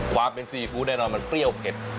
ความเป็นซีฟู้ดแน่นอนมันเปรี้ยวเผ็ด